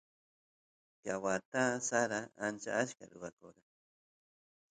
ka wata sara ancha achka ruwakora